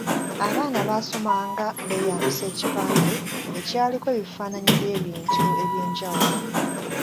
Abaana baasomanga beeyambisa ekipande ekyaliko ebifaananyi by’ebintu eby’enjawulo.